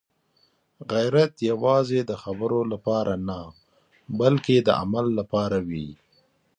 غیرت یوازې د خبرو لپاره نه، بلکې د عمل لپاره دی.